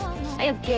ＯＫ！